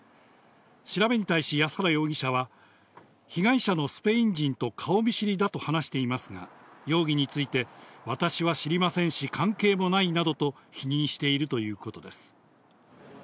調べに対し、安原容疑者は被害者のスペイン人と顔見知りだと話していますが容疑について、私は知りませんし、関係もないなどと否認しているということです。